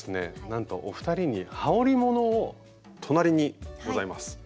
なんとお二人にはおりものを隣にございます